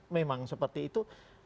memang seperti itu